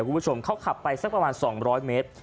คุณผู้ชมเขาขับไปสักประมาณ๒๐๐เมตร